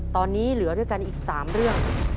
ตอนนี้เหลือด้วยกันอีก๓เรื่อง